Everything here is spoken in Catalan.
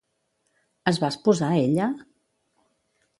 Es va esposar ella?